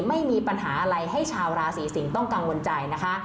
ไม่มีปัญหาอะไรให้ชาวราศีสิงศ์ต้องกังวลใจนะคะ